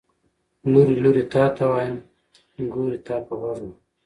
ـ لورې لورې تاته ويم، نګورې تاپه غوږ وهم.